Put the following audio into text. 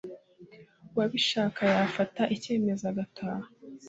uwabishaka yafata icyemezo agataha